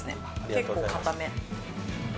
結構、硬め。